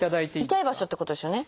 痛い場所ってことですよね。